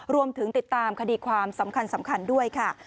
รวมถึงติดตามคดีความสำคัญด้วยค่ะ